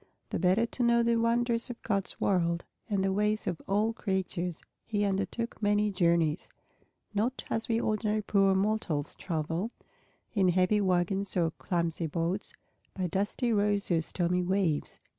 The better to know the wonders of God's world and the ways of all creatures, he undertook many journeys, not as we ordinary poor mortals travel, in heavy wagons or clumsy boats, by dusty roads or stormy waves.